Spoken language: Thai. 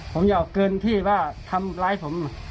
ผมอยากเกินที่ว่าทำร้ายผม